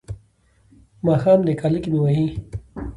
ماښام دی کاله کې مې وهي.